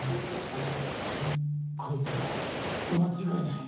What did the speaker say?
こいつだ間違いない！